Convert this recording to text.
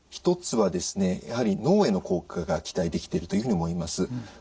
１つはですねやはり脳への効果が期待できてるというふうに思います。